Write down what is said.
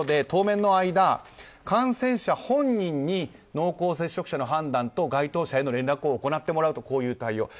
当面の間、感染者本人に濃厚接触者の判断と該当者への連絡を行ってもらうという対応。